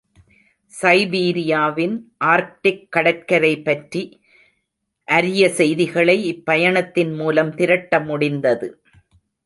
சைபீரியாவின் Arctic கடற்கரை பற்றி அரிய செய்திகளை இப்பயணத்தின் மூலம் திரட்ட முடிந்தது.